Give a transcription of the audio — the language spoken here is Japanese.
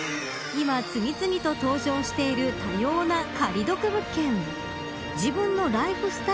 今、次々と登場している多様な借り得物件。